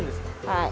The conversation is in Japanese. はい。